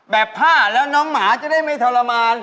ผ้าแล้วน้องหมาจะได้ไม่ทรมาน